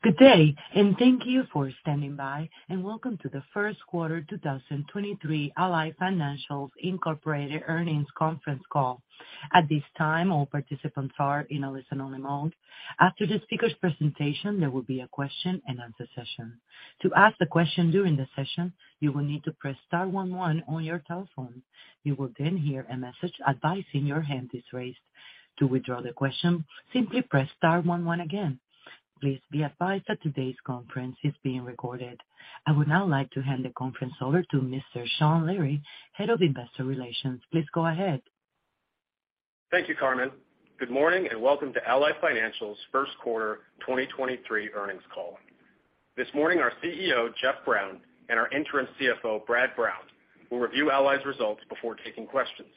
Good day, and thank you for standing by, and welcome to the First Quarter 2023 Ally Financial Incorporated Earnings Conference Call. At this time, all participants are in a listen-only mode. After the speaker's presentation, there will be a Q&A session. To ask a question during the session, you will need to press star one one on your telephone. You will then hear a message advising your hand is raised. To withdraw the question, simply press star one one again. Please be advised that today's conference is being recorded. I would now like to hand the conference over to Mr. Sean Leary, Head of Investor Relations. Please go ahead. Thank you, Carmen. Good morning. Welcome to Ally Financial's First Quarter 2023 Earnings Call. This morning, our CEO, Jeff Brown, and our interim CFO, Brad Brown, will review Ally's results before taking questions.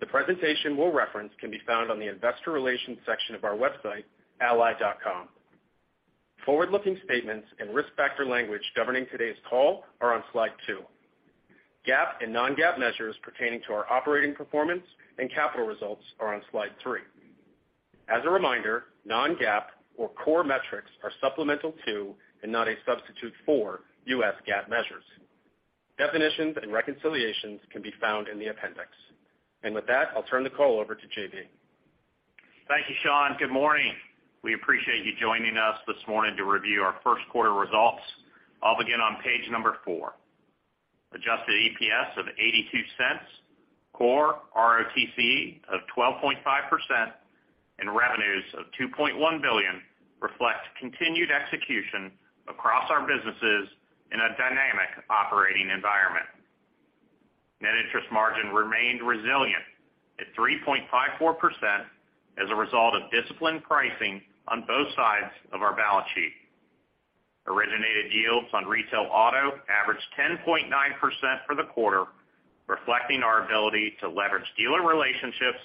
The presentation we'll reference can be found on the investor relations section of our website, ally.com. Forward-looking statements and risk factor language governing today's call are on slide two. GAAP and non-GAAP measures pertaining to our operating performance and capital results are on slide three. As a reminder, non-GAAP or core metrics are supplemental to and not a substitute for U.S. GAAP measures. Definitions and reconciliations can be found in the appendix. With that, I'll turn the call over to J.B. Thank you, Sean. Good morning. We appreciate you joining us this morning to review our first quarter results. I'll begin on page number four. Adjusted EPS of $0.82, core ROTCE of 12.5%, and revenues of $2.1 billion reflect continued execution across our businesses in a dynamic operating environment. Net interest margin remained resilient at 3.54% as a result of disciplined pricing on both sides of our balance sheet. Originated yields on retail auto averaged 10.9% for the quarter, reflecting our ability to leverage dealer relationships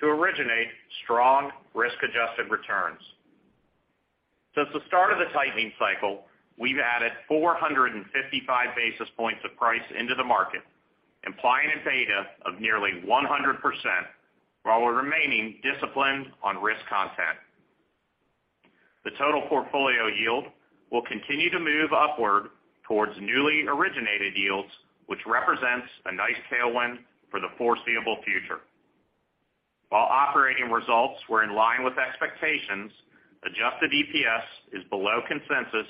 to originate strong risk-adjusted returns. Since the start of the tightening cycle, we've added 455 basis points of price into the market, implying a beta of nearly 100% while remaining disciplined on risk content. The total portfolio yield will continue to move upward towards newly originated yields, which represents a nice tailwind for the foreseeable future. While operating results were in line with expectations, adjusted EPS is below consensus,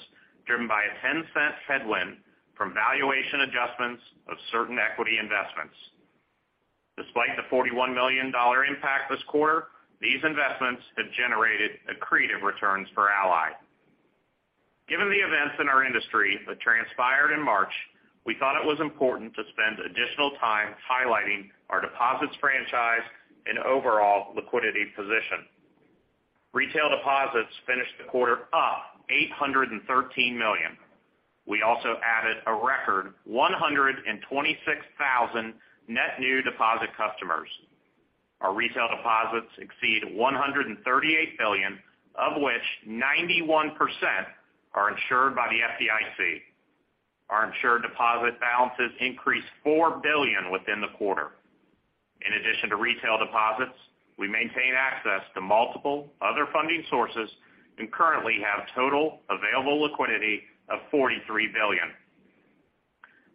driven by a 10-cent headwind from valuation adjustments of certain equity investments. Despite the $41 million impact this quarter, these investments have generated accretive returns for Ally. Given the events in our industry that transpired in March, we thought it was important to spend additional time highlighting our deposits franchise and overall liquidity position. Retail deposits finished the quarter up $813 million. We also added a record 126,000 net new deposit customers. Our retail deposits exceed $138 billion, of which 91% are insured by the FDIC. Our insured deposit balances increased $4 billion within the quarter. In addition to retail deposits, we maintain access to multiple other funding sources and currently have total available liquidity of $43 billion.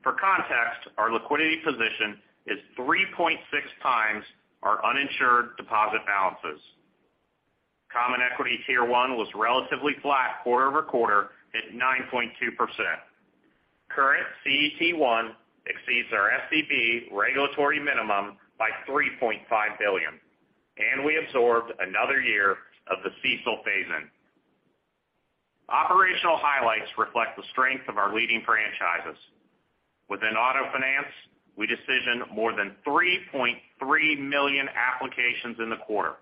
For context, our liquidity position is 3.6x our uninsured deposit balances. Common equity Tier One was relatively flat quarter-over-quarter at 9.2%. Current CET1 exceeds our SCB regulatory minimum by $3.5 billion, and I absorbed another year of the CECL phase-in. Operational highlights reflect the strength of our leading franchises. Within auto finance, we decisioned more than 3.3 million applications in the quarter.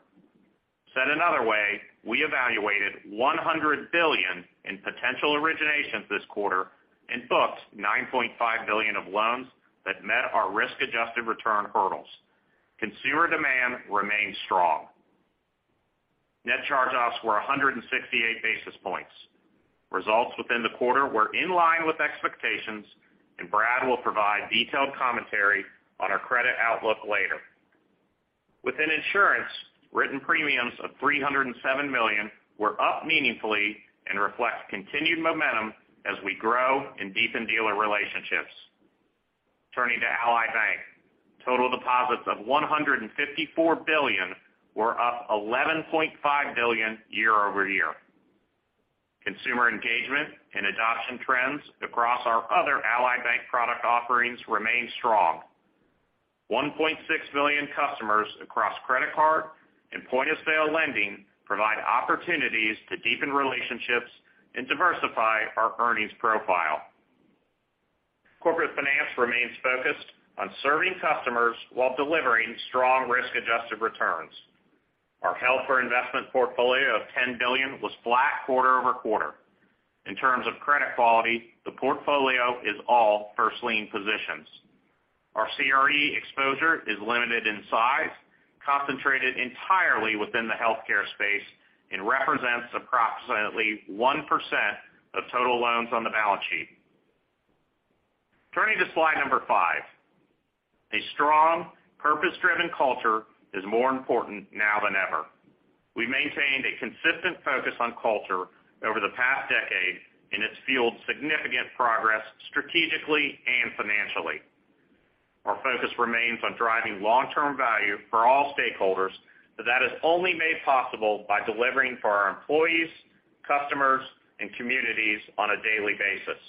Said another way, we evaluated $100 billion in potential originations this quarter and booked $9.5 billion of loans that met our risk-adjusted return hurdles. Consumer demand remains strong. Net charge-offs were 168 basis points. Results within the quarter were in line with expectations. Brad will provide detailed commentary on our credit outlook later. Within insurance, written premiums of $307 million were up meaningfully and reflect continued momentum as we grow and deepen dealer relationships. Turning to Ally Bank. Total deposits of $154 billion were up $11.5 billion year-over-year. Consumer engagement and adoption trends across our other Ally Bank product offerings remain strong. 1.6 million customers across credit card and point-of-sale lending provide opportunities to deepen relationships and diversify our earnings profile. Corporate finance remains focused on serving customers while delivering strong risk-adjusted returns. Our held-for-investment portfolio of $10 billion was flat quarter-over-quarter. In terms of credit quality, the portfolio is all first lien positions. Our CRE exposure is limited in size, concentrated entirely within the healthcare space, and represents approximately 1% of total loans on the balance sheet. Turning to slide number five. A strong purpose-driven culture is more important now than ever. We maintained a consistent focus on culture over the past decade, it's fueled significant progress strategically and financially. Our focus remains on driving long-term value for all stakeholders, that is only made possible by delivering for our employees, customers, and communities on a daily basis.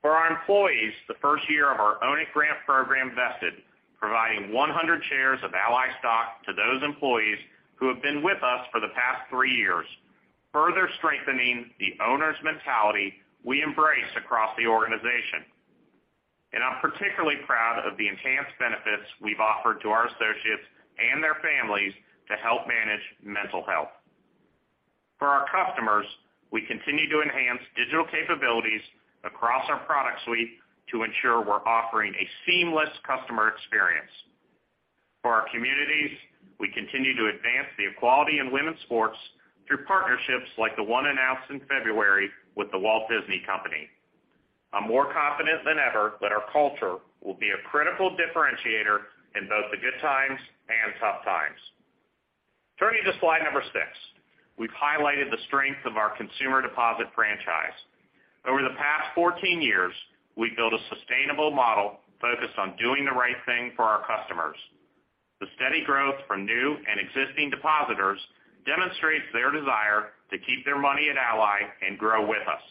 For our employees, the first year of our Own It Grant program vested, providing 100 shares of Ally stock to those employees who have been with us for the past three years, further strengthening the owner's mentality we embrace across the organization. I'm particularly proud of the enhanced benefits we've offered to our associates and their families to help manage mental health. For our customers, we continue to enhance digital capabilities across our product suite to ensure we're offering a seamless customer experience. For our communities, we continue to advance the equality in women's sports through partnerships like the one announced in February with The Walt Disney Company. I'm more confident than ever that our culture will be a critical differentiator in both the good times and tough times. Turning to slide number six. We've highlighted the strength of our consumer deposit franchise. Over the past 14 years, we've built a sustainable model focused on doing the right thing for our customers. The steady growth from new and existing depositors demonstrates their desire to keep their money at Ally and grow with us.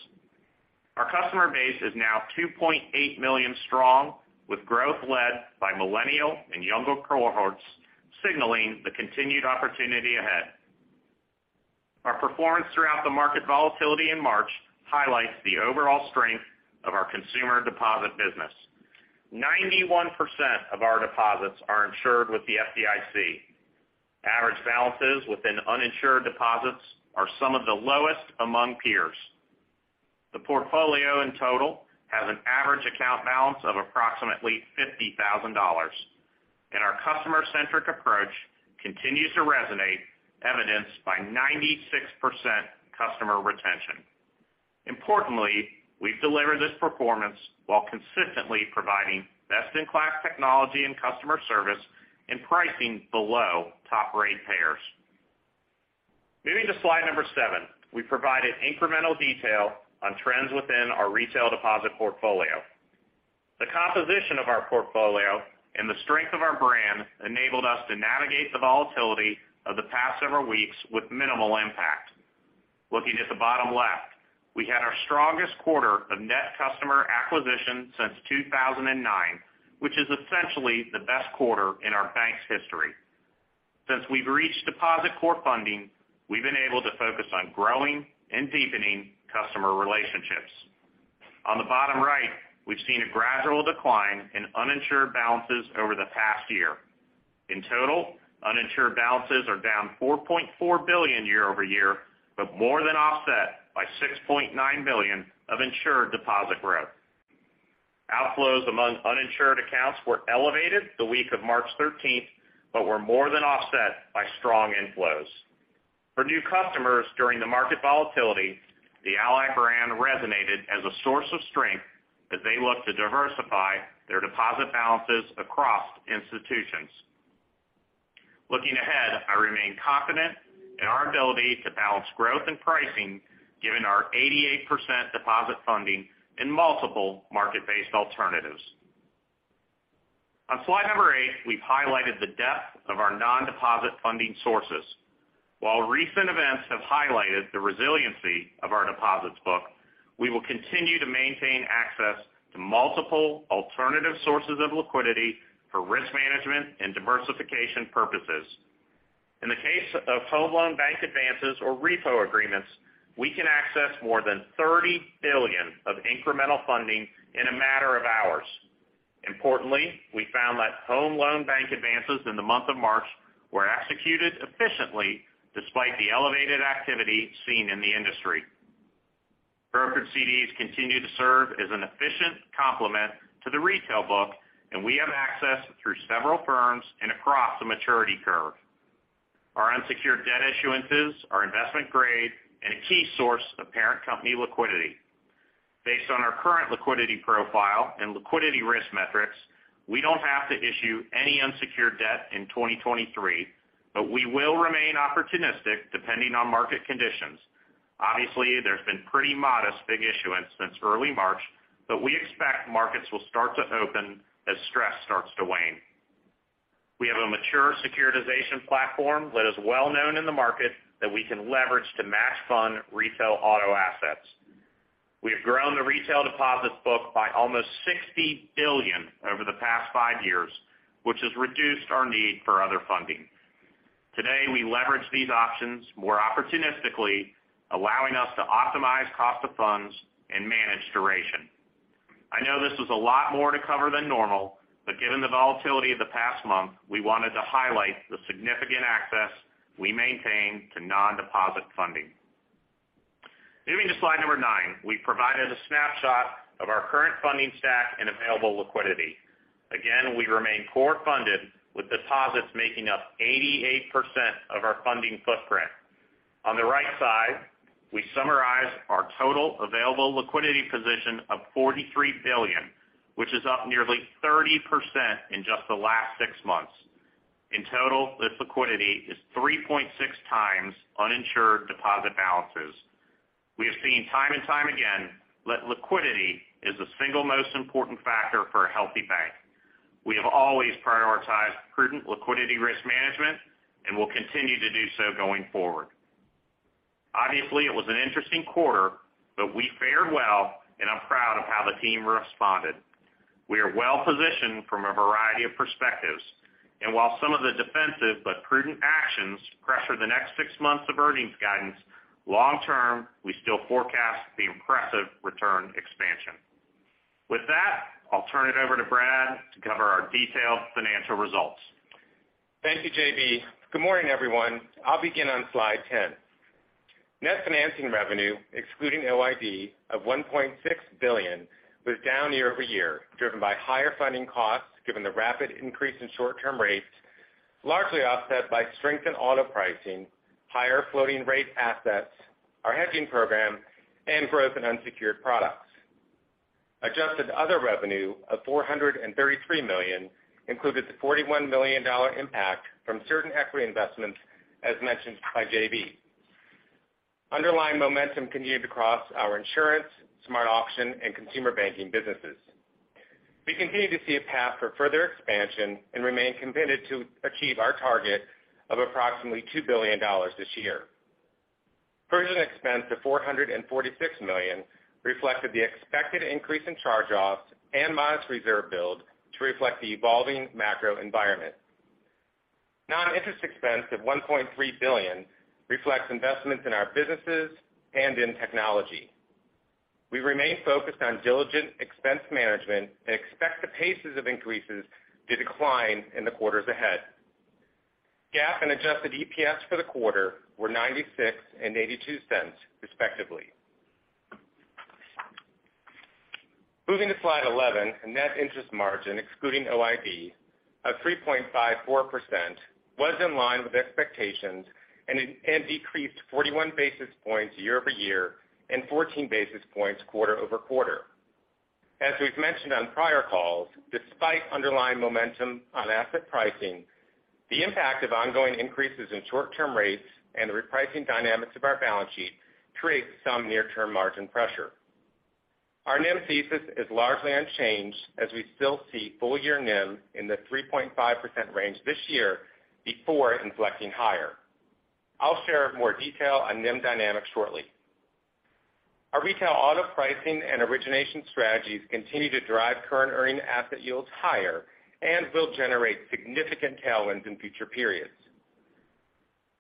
Our customer base is now 2.8 million strong, with growth led by millennial and younger cohorts, signaling the continued opportunity ahead. Our performance throughout the market volatility in March highlights the overall strength of our consumer deposit business. 91% of our deposits are insured with the FDIC. Average balances within uninsured deposits are some of the lowest among peers. The portfolio in total has an average account balance of approximately $50,000. Our customer-centric approach continues to resonate, evidenced by 96% customer retention. Importantly, we've delivered this performance while consistently providing best-in-class technology and customer service and pricing below top-rate payers. Moving to slide number seven. We provided incremental detail on trends within our retail deposit portfolio. The composition of our portfolio and the strength of our brand enabled us to navigate the volatility of the past several weeks with minimal impact. Looking at the bottom left, we had our strongest quarter of net customer acquisition since 2009, which is essentially the best quarter in our bank's history. Since we've reached deposit core funding, we've been able to focus on growing and deepening customer relationships. On the bottom right, we've seen a gradual decline in uninsured balances over the past year. In total, uninsured balances are down $4.4 billion year-over-year, more than offset by $6.9 billion of insured deposit growth. Outflows among uninsured accounts were elevated the week of March 13th, were more than offset by strong inflows. For new customers during the market volatility, the Ally brand resonated as a source of strength as they look to diversify their deposit balances across institutions. Looking ahead, I remain confident in our ability to balance growth and pricing given our 88% deposit funding in multiple market-based alternatives. On slide number eight, we've highlighted the depth of our nondeposit funding sources. Recent events have highlighted the resiliency of our deposits book, we will continue to maintain access to multiple alternative sources of liquidity for risk management and diversification purposes. In the case of Home Loan Bank advances or repo agreements, we can access more than $30 billion of incremental funding in a matter of hours. Importantly, we found that Home Loan Bank advances in the month of March were executed efficiently despite the elevated activity seen in the industry. Brokered CDs continue to serve as an efficient complement to the retail book, we have access through several firms and across the maturity curve. Our unsecured debt issuances are investment-grade and a key source of parent company liquidity. Based on our current liquidity profile and liquidity risk metrics, we don't have to issue any unsecured debt in 2023, but we will remain opportunistic depending on market conditions. Obviously, there's been pretty modest big issuance since early March, but we expect markets will start to open as stress starts to wane. We have a mature securitization platform that is well-known in the market that we can leverage to match fund retail auto assets. We have grown the retail deposits book by almost $60 billion over the past five years, which has reduced our need for other funding. Today, we leverage these options more opportunistically, allowing us to optimize cost of funds and manage duration. I know this is a lot more to cover than normal, but given the volatility of the past month, we wanted to highlight the significant access we maintain to nondeposit funding. Moving to slide number nine. We provided a snapshot of our current funding stack and available liquidity. Again, we remain core funded with deposits making up 88% of our funding footprint. On the right side, we summarize our total available liquidity position of $43 billion, which is up nearly 30% in just the last six months. In total, this liquidity is 3.6x uninsured deposit balances. We have seen time and time again that liquidity is the single most important factor for a healthy bank. We have always prioritized prudent liquidity risk management, and will continue to do so going forward. Obviously, it was an interesting quarter, but we fared well, and I'm proud of how the team responded. We are well-positioned from a variety of perspectives, and while some of the defensive but prudent actions pressure the next six months of earnings guidance, long term, we still forecast the impressive return expansion. With that, I'll turn it over to Brad to cover our detailed financial results. Thank you, JB. Good morning, everyone. I'll begin on slide 10. Net financing revenue, excluding OID, of $1.6 billion was down year-over-year, driven by higher funding costs given the rapid increase in short-term rates, largely offset by strength in auto pricing, higher floating rate assets, our hedging program, and growth in unsecured products. Adjusted other revenue of $433 million included the $41 million impact from certain equity investments, as mentioned by JB. Underlying momentum continued across our insurance, SmartAuction, and consumer banking businesses. We continue to see a path for further expansion and remain committed to achieve our target of approximately $2 billion this year. Provision expense of $446 million reflected the expected increase in charge-offs and modest reserve build to reflect the evolving macro environment. Non-interest expense of $1.3 billion reflects investments in our businesses and in technology. We remain focused on diligent expense management and expect the paces of increases to decline in the quarters ahead. GAAP and adjusted EPS for the quarter were $0.96 and $0.82, respectively. Moving to slide 11, a net interest margin excluding OID of 3.54% was in line with expectations and decreased 41 basis points year-over-year and 14 basis points quarter-over-quarter. As we've mentioned on prior calls, despite underlying momentum on asset pricing, the impact of ongoing increases in short-term rates and the repricing dynamics of our balance sheet creates some near-term margin pressure. Our NIM thesis is largely unchanged as we still see full-year NIM in the 3.5% range this year before inflecting higher. I'll share more detail on NIM dynamics shortly. Our retail auto pricing and origination strategies continue to drive current earning asset yields higher and will generate significant tailwinds in future periods.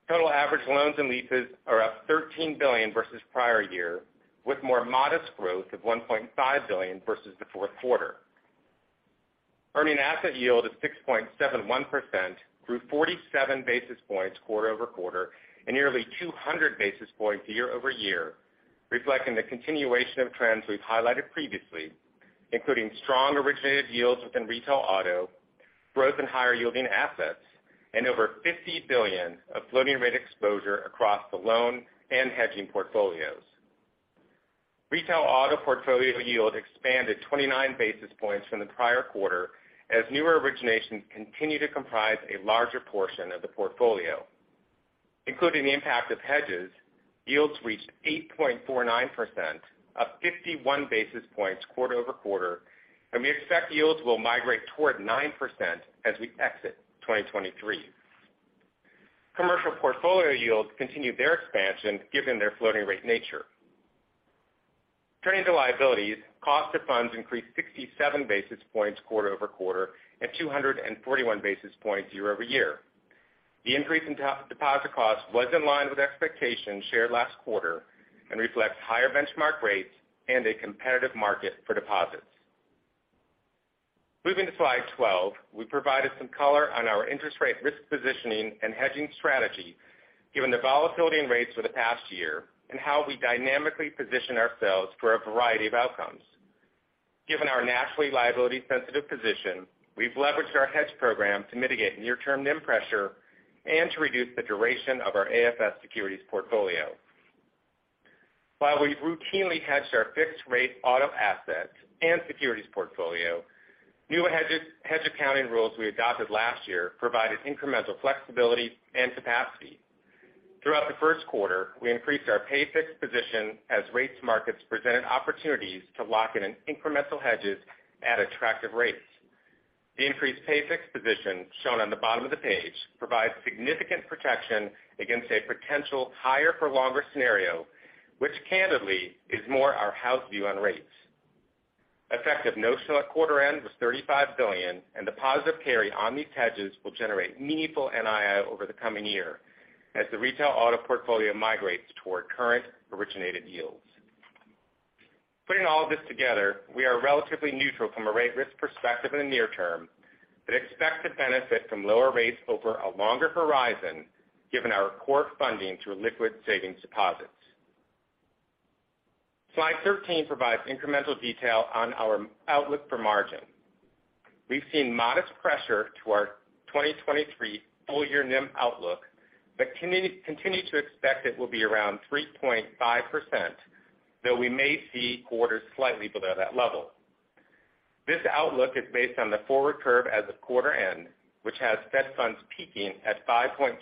Total average loans and leases are up $13 billion versus prior year, with more modest growth of $1.5 billion versus the fourth quarter. Earning asset yield of 6.71% grew 47 basis points quarter-over-quarter and nearly 200 basis points year-over-year, reflecting the continuation of trends we've highlighted previously, including strong originated yields within retail auto, growth in higher-yielding assets, and over $50 billion of floating rate exposure across the loan and hedging portfolios. Retail auto portfolio yield expanded 29 basis points from the prior quarter as newer originations continue to comprise a larger portion of the portfolio. Including the impact of hedges, yields reached 8.49%, up 51 basis points quarter-over-quarter. We expect yields will migrate toward 9% as we exit 2023. commercial portfolio yields continued their expansion given their floating rate nature. Turning to liabilities, cost of funds increased 67 basis points quarter-over-quarter and 241 basis points year-over-year. The increase in deposit costs was in line with expectations shared last quarter and reflects higher benchmark rates and a competitive market for deposits. Moving to slide 12, we provided some color on our interest rate risk positioning and hedging strategy given the volatility in rates for the past year and how we dynamically position ourselves for a variety of outcomes. Given our naturally liability-sensitive position, we've leveraged our hedge program to mitigate near-term NIM pressure and to reduce the duration of our AFS securities portfolio. While we've routinely hedged our fixed-rate auto assets and securities portfolio, new hedge accounting rules we adopted last year provided incremental flexibility and capacity. Throughout the first quarter, we increased our pay fixed position as rates markets presented opportunities to lock in an incremental hedges at attractive rates. The increased pay fixed position, shown on the bottom of the page, provides significant protection against a potential higher for longer scenario, which candidly is more our house view on rates. Effective notional at quarter end was $35 billion, and the positive carry on these hedges will generate meaningful NII over the coming year as the retail auto portfolio migrates toward current originated yields. Putting all of this together, we are relatively neutral from a rate risk perspective in the near term but expect to benefit from lower rates over a longer horizon given our core funding through liquid savings deposits. Slide 13 provides incremental detail on our outlook for margin. We've seen modest pressure to our 2023 full year NIM outlook, but continue to expect it will be around 3.5%, though we may see quarters slightly below that level. This outlook is based on the forward curve as of quarter end, which has Fed funds peaking at 5.25%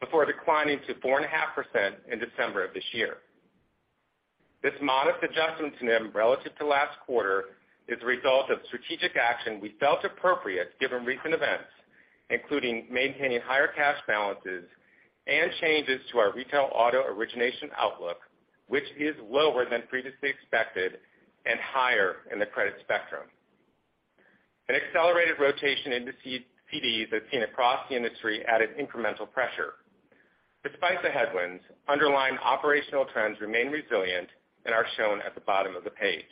before declining to 4.5% in December of this year. This modest adjustment to NIM relative to last quarter is a result of strategic action we felt appropriate given recent events, including maintaining higher cash balances and changes to our retail auto origination outlook, which is lower than previously expected and higher in the credit spectrum. An accelerated rotation into CDs as seen across the industry added incremental pressure. Despite the headwinds, underlying operational trends remain resilient and are shown at the bottom of the page.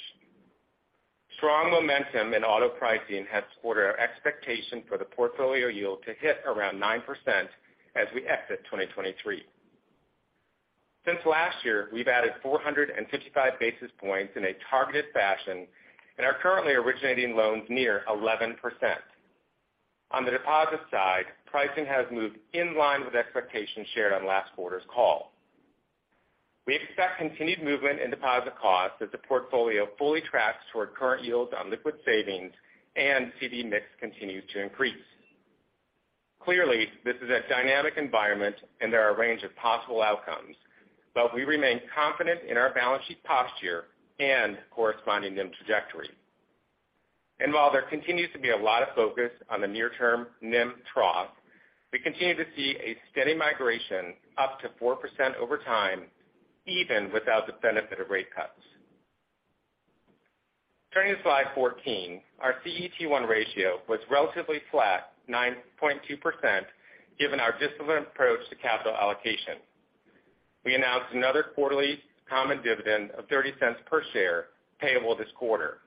Strong momentum in auto pricing has supported our expectation for the portfolio yield to hit around 9% as we exit 2023. Since last year, we've added 455 basis points in a targeted fashion and are currently originating loans near 11%. On the deposit side, pricing has moved in line with expectations shared on last quarter's call. We expect continued movement in deposit costs as the portfolio fully tracks toward current yields on liquid savings and CD mix continues to increase. This is a dynamic environment and there are a range of possible outcomes, but we remain confident in our balance sheet posture and corresponding NIM trajectory. While there continues to be a lot of focus on the near term NIM trough, we continue to see a steady migration up to 4% over time, even without the benefit of rate cuts. Turning to slide 14, our CET1 ratio was relatively flat, 9.2%, given our disciplined approach to capital allocation. We announced another quarterly common dividend of $0.30 per share payable this quarter.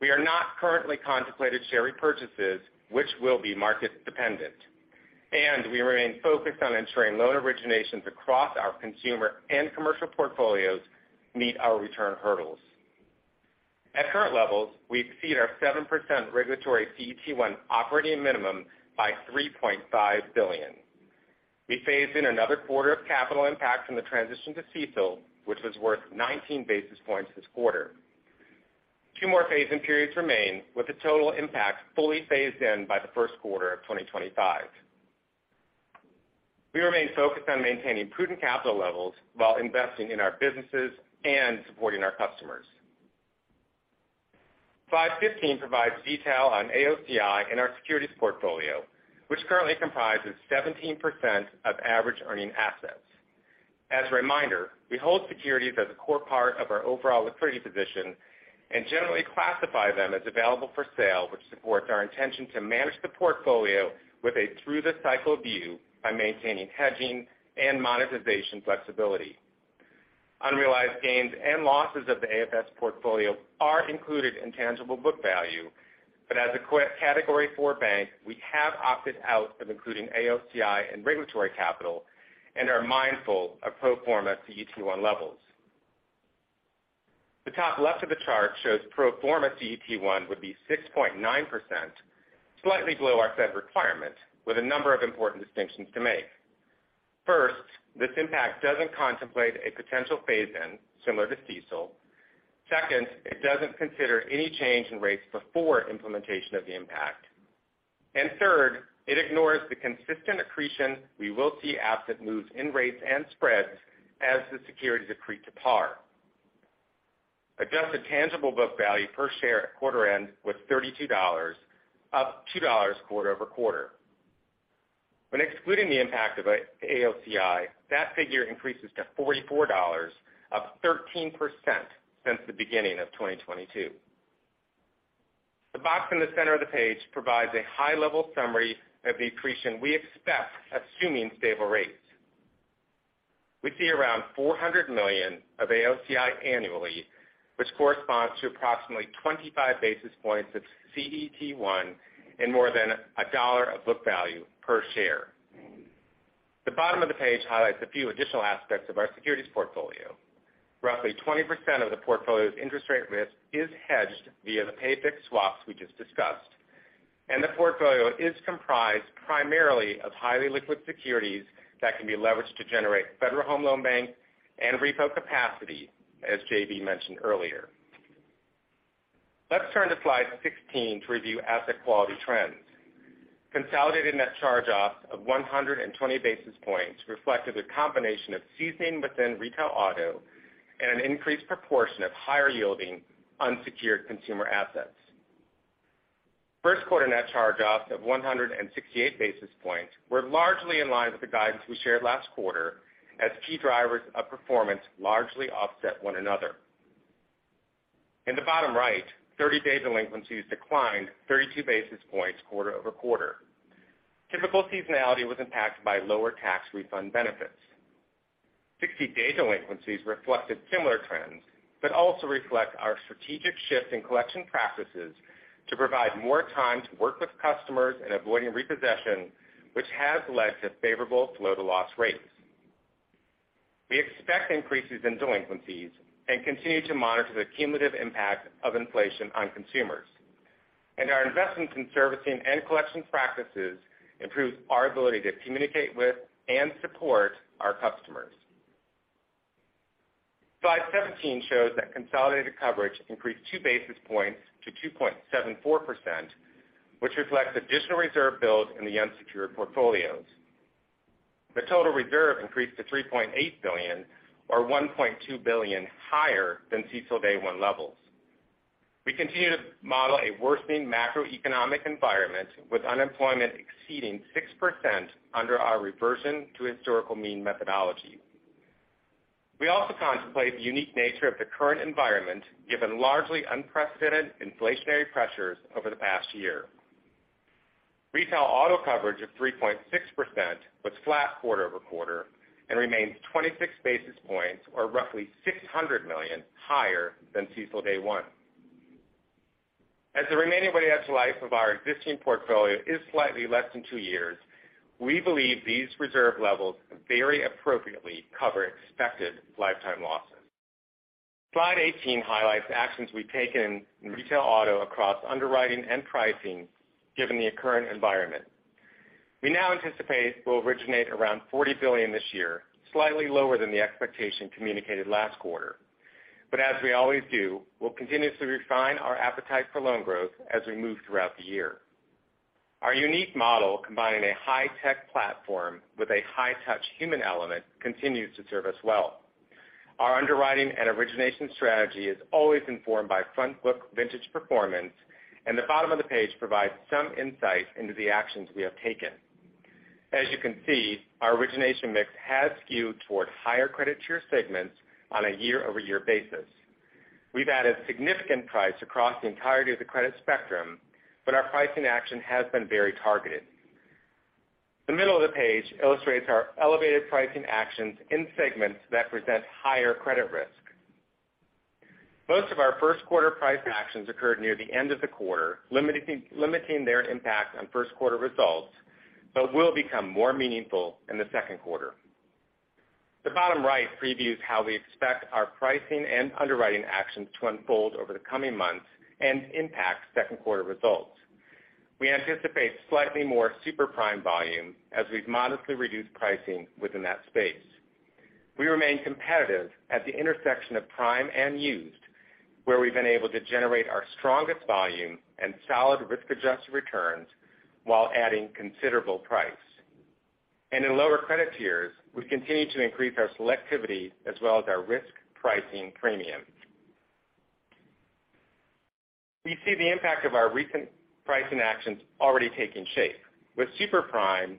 We are not currently contemplating share repurchases, which will be market dependent, and we remain focused on ensuring loan originations across our consumer and commercial portfolios meet our return hurdles. At current levels, we exceed our 7% regulatory CET1 operating minimum by $3.5 billion. We phased in another quarter of capital impact from the transition to CECL, which was worth 19 basis points this quarter. Two more phase-in periods remain, with the total impact fully phased in by the first quarter of 2025. We remain focused on maintaining prudent capital levels while investing in our businesses and supporting our customers. Slide 15 provides detail on AOCI in our securities portfolio, which currently comprises 17% of average earning assets. As a reminder, we hold securities as a core part of our overall liquidity position and generally classify them as available for sale, which supports our intention to manage the portfolio with a through-the-cycle view by maintaining hedging and monetization flexibility. Unrealized gains and losses of the AFS portfolio are included in tangible book value, but as a Category IV bank, we have opted out of including AOCI in regulatory capital and are mindful of pro forma CET1 levels. The top left of the chart shows pro forma CET1 would be 6.9%, slightly below our Fed requirement, with a number of important distinctions to make. First, this impact doesn't contemplate a potential phase in similar to CECL. Second, it doesn't consider any change in rates before implementation of the impact. Third, it ignores the consistent accretion we will see absent moves in rates and spreads as the securities accrue to par. Adjusted tangible book value per share at quarter end was $32, up $2 quarter-over-quarter. When excluding the impact of AOCI, that figure increases to $44, up 13% since the beginning of 2022. The box in the center of the page provides a high-level summary of the accretion we expect, assuming stable rates. We see around $400 million of AOCI annually, which corresponds to approximately 25 basis points of CET1 and more than $1 of book value per share. The bottom of the page highlights a few additional aspects of our securities portfolio. Roughly 20% of the portfolio's interest rate risk is hedged via the pay fixed swaps we just discussed. The portfolio is comprised primarily of highly liquid securities that can be leveraged to generate Federal Home Loan Bank and repo capacity, as JB mentioned earlier. Let's turn to slide 16 to review asset quality trends. Consolidated net charge-offs of 120 basis points reflected a combination of seasoning within retail auto and an increased proportion of higher-yielding unsecured consumer assets. First quarter net charge-offs of 168 basis points were largely in line with the guidance we shared last quarter as key drivers of performance largely offset one another. In the bottom right, 30-day delinquencies declined 32 basis points quarter-over-quarter. Typical seasonality was impacted by lower tax refund benefits. 60-day delinquencies reflected similar trends. Also reflect our strategic shift in collection practices to provide more time to work with customers in avoiding repossession, which has led to favorable flow-to-loss rates. We expect increases in delinquencies and continue to monitor the cumulative impact of inflation on consumers. Our investments in servicing and collection practices improves our ability to communicate with and support our customers. Slide 17 shows that consolidated coverage increased 2 basis points to 2.74%, which reflects additional reserve build in the unsecured portfolios. The total reserve increased to $3.8 billion or $1.2 billion higher than CECL day one levels. We continue to model a worsening macroeconomic environment with unemployment exceeding 6% under our reversion to historical mean methodology. We also contemplate the unique nature of the current environment, given largely unprecedented inflationary pressures over the past year. Retail auto coverage of 3.6% was flat quarter-over-quarter and remains 26 basis points or roughly $600 million higher than CECL day one. As the remaining weighted average life of our existing portfolio is slightly less than two years, we believe these reserve levels very appropriately cover expected lifetime losses. Slide 18 highlights actions we've taken in retail auto across underwriting and pricing given the current environment. We now anticipate we'll originate around $40 billion this year, slightly lower than the expectation communicated last quarter. As we always do, we'll continuously refine our appetite for loan growth as we move throughout the year. Our unique model, combining a high-tech platform with a high-touch human element, continues to serve us well. Our underwriting and origination strategy is always informed by front book vintage performance, and the bottom of the page provides some insight into the actions we have taken. As you can see, our origination mix has skewed toward higher credit tier segments on a year-over-year basis. We've added significant price across the entirety of the credit spectrum, but our pricing action has been very targeted. The middle of the page illustrates our elevated pricing actions in segments that present higher credit risk. Most of our first quarter price actions occurred near the end of the quarter, limiting their impact on first quarter results, but will become more meaningful in the second quarter. The bottom right previews how we expect our pricing and underwriting actions to unfold over the coming months and impact second quarter results. We anticipate slightly more super prime volume as we've modestly reduced pricing within that space. We remain competitive at the intersection of prime and used, where we've been able to generate our strongest volume and solid risk-adjusted returns while adding considerable price. In lower credit tiers, we continue to increase our selectivity as well as our risk pricing premium. We see the impact of our recent pricing actions already taking shape, with super prime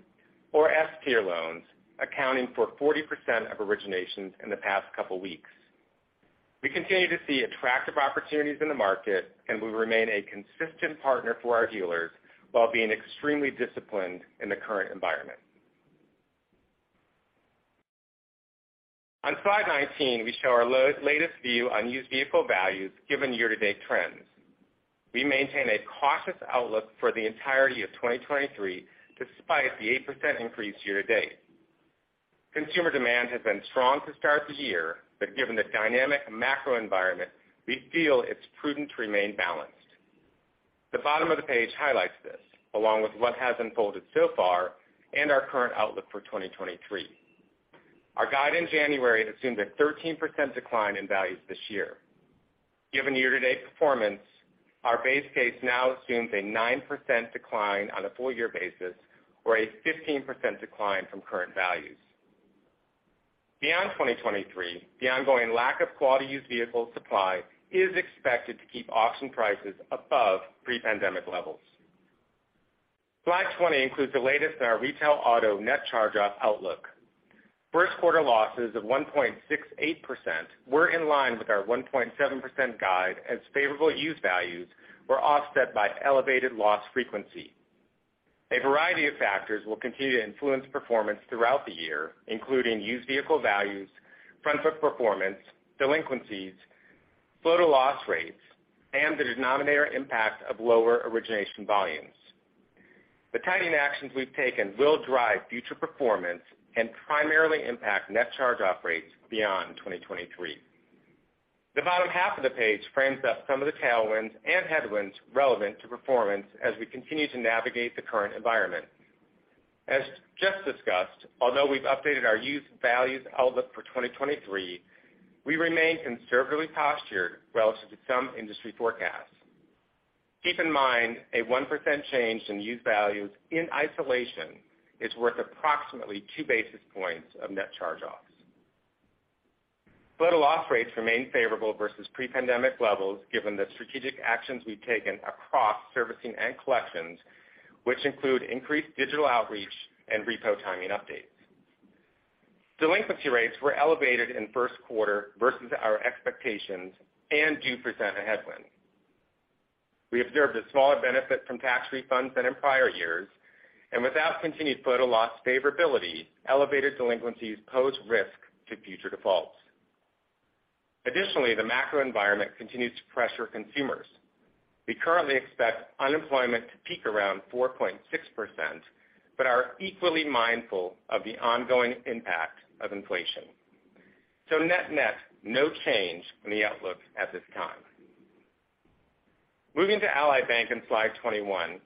or S tier loans accounting for 40% of originations in the past couple weeks. We continue to see attractive opportunities in the market, we remain a consistent partner for our dealers while being extremely disciplined in the current environment. On slide 19, we show our latest view on used vehicle values given year-to-date trends. We maintain a cautious outlook for the entirety of 2023, despite the 8% increase year to date. Consumer demand has been strong to start the year, but given the dynamic macro environment, we feel it's prudent to remain balanced. The bottom of the page highlights this, along with what has unfolded so far and our current outlook for 2023. Our guide in January assumed a 13% decline in values this year. Given year-to-date performance, our base case now assumes a 9% decline on a full year basis or a 15% decline from current values. Beyond 2023, the ongoing lack of quality used vehicle supply is expected to keep auction prices above pre-pandemic levels. Slide 20 includes the latest in our retail auto net charge-off outlook. First quarter losses of 1.68% were in line with our 1.7% guide as favorable used values were offset by elevated loss frequency. A variety of factors will continue to influence performance throughout the year, including used vehicle values, front book performance, delinquencies, flow-to-loss rates, and the denominator impact of lower origination volumes. The tightening actions we've taken will drive future performance and primarily impact net charge-off rates beyond 2023. The bottom half of the page frames up some of the tailwinds and headwinds relevant to performance as we continue to navigate the current environment. As just discussed, although we've updated our used values outlook for 2023, we remain conservatively postured relative to some industry forecasts. Keep in mind, a 1% change in used values in isolation is worth approximately 2 basis points of net charge-offs. Flow-to-loss rates remain favorable versus pre-pandemic levels given the strategic actions we've taken across servicing and collections, which include increased digital outreach and repo timing updates. Delinquency rates were elevated in 1st quarter versus our expectations and do present a headwind. We observed a smaller benefit from tax refunds than in prior years, and without continued flow-to-loss favorability, elevated delinquencies pose risk to future defaults. Additionally, the macro environment continues to pressure consumers. We currently expect unemployment to peak around 4.6%, but are equally mindful of the ongoing impact of inflation. Net-net, no change in the outlook at this time. Moving to Ally Bank on slide 21,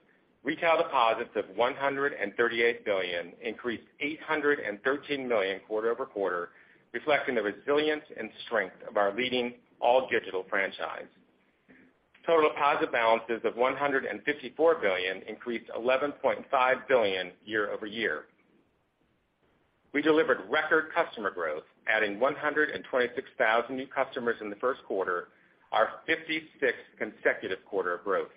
retail deposits of $138 billion increased $813 million quarter-over-quarter, reflecting the resilience and strength of our leading all-digital franchise. Total deposit balances of $154 billion increased $11.5 billion year-over-year. We delivered record customer growth, adding 126,000 new customers in the first quarter, our 56th consecutive quarter of growth.